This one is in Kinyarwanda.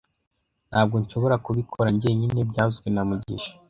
Ntabwo nshobora kubikora njyenyine byavuzwe na mugisha